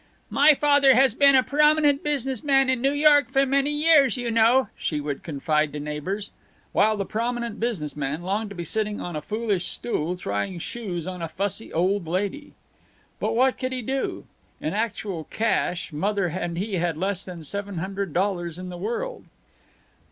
"My father has been a prominent business man in New York for many years, you know," she would confide to neighbors. While the prominent business man longed to be sitting on a foolish stool trying shoes on a fussy old lady. But what could he do? In actual cash Mother and he had less than seven dollars in the world.